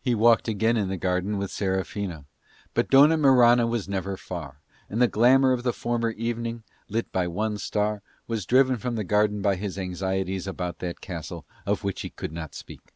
He walked again in the garden with Serafina, but Dona Mirana was never far, and the glamour of the former evening, lit by one star, was driven from the garden by his anxieties about that castle of which he could not speak.